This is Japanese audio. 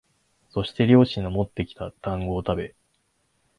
そして猟師のもってきた団子をたべ、